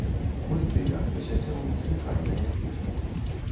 Мы, тыя, хто сядзеў, звычайныя людзі.